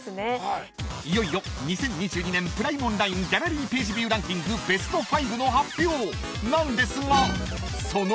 ［いよいよ２０２２年プライムオンラインギャラリーページビューランキングベスト５の発表なんですが］